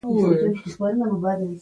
ټوله شپه ډولونه؛ د غوږونو پردې وشلېدې.